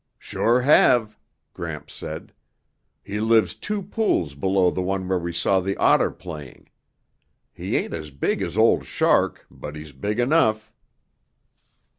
"Sure have," Gramps said. "He lives two pools below the one where we saw the otter playing. He ain't as big as Old Shark, but he's big enough."